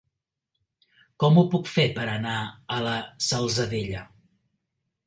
Com ho puc fer per anar a la Salzadella?